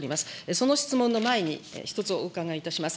その質問の前に、１つお伺いいたします。